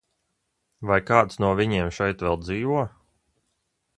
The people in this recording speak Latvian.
Vai kāds no viņiem šeit vēl dzīvo?